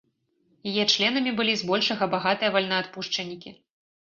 Яе членамі былі з большага багатыя вольнаадпушчанікі.